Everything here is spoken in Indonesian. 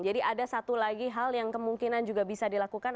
jadi ada satu lagi hal yang kemungkinan juga bisa dilakukan